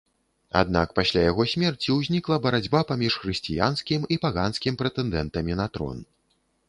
Аднак пасля яго смерці ўзнікла барацьба паміж хрысціянскім і паганскім прэтэндэнтамі на трон.